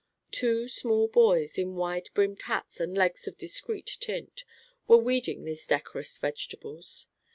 Two small boys, in wide brimmed hats and legs of discreet tint, were weeding these decorous vegetables.